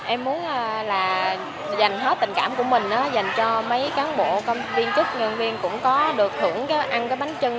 em muốn là dành hết tình cảm của mình dành cho mấy cán bộ công viên chức nhân viên cũng có được thưởng cái ăn cái bánh trưng